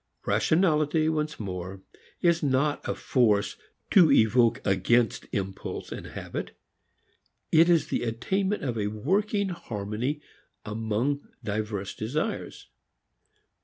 Rationality, once more, is not a force to evoke against impulse and habit. It is the attainment of a working harmony among diverse desires.